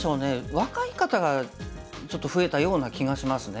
若い方がちょっと増えたような気がしますね。